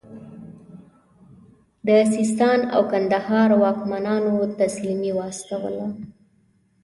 د سیستان او کندهار واکمنانو تسلیمي واستوله.